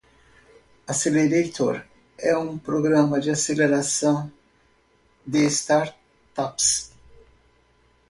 Accelerator é um programa de aceleração de startups.